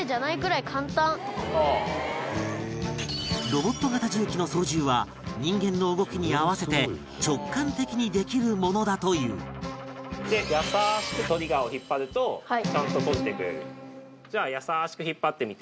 ロボット型重機の操縦は人間の動きに合わせて直感的にできるものだというで優しくトリガーを引っ張るとちゃんと閉じてくれる。